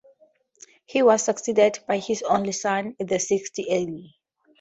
He was succeeded by his only son, the sixth Earl.